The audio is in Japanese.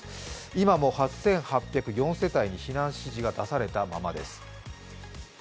今も８８０４世帯に避難指示が出されたままです。